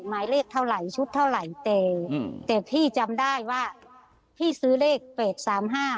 หมายเลขเท่าไหร่ชุดเท่าไหร่แต่อืมแต่พี่จำได้ว่าพี่ซื้อเลขแปดสามห้า